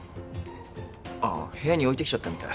あっ部屋に置いてきちゃったみたい。